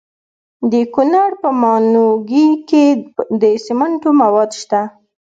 د کونړ په ماڼوګي کې د سمنټو مواد شته.